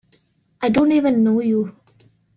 I don't even know you.